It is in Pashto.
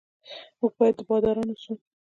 موږ باید باداران اوسو.